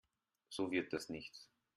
So wird das nichts.